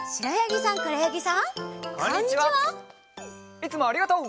いつもありがとう！